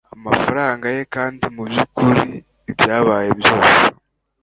amafaranga ye kandi mubyukuri ibyabaye byose